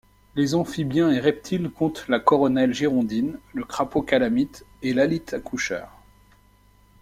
Les amphibiens et reptiles comptent la Coronelle girondine, le Crapaud calamite et l'Alyte accoucheur.